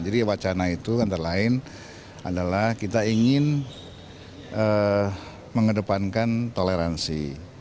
jadi wacana itu antara lain adalah kita ingin mengedepankan toleransi